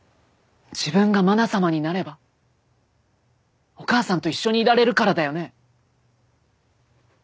自分がまな様になればお母さんと一緒にいられるからだよね。